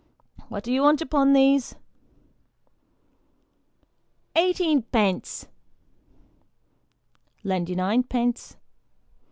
" What do you want upon these ?"" Eighteen pence." " Lend you ninepence."